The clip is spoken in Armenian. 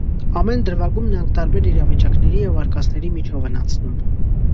Ամեն դրվագում նրանք տարբեր իրավիճակների և արկածների միջով են անցնում։